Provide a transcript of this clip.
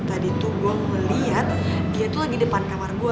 tadi tuh gue melihat dia itu lagi depan kamar gue